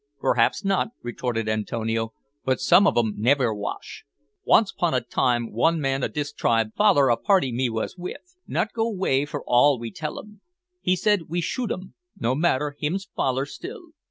"Perhaps not," retorted Antonio, "but some of 'um nevair wash. Once 'pon a time one man of dis tribe foller a party me was with. Not go way for all we tell 'um. We said we shoot 'um. No matter, hims foller still.